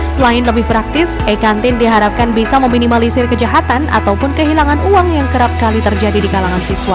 selain lebih praktis e kantin diharapkan bisa meminimalisir kejahatan ataupun kehilangan uang yang kerap kali terjadi di kalangan siswa